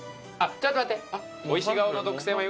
ちょっと待って！